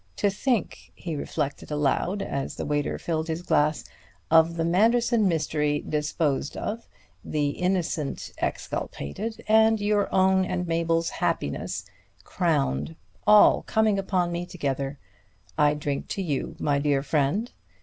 To think," he reflected aloud as the waiter filled his glass, "of the Manderson mystery disposed of, the innocent exculpated, and your own and Mabel's happiness crowned all coming upon me together! I drink to you, my dear friend."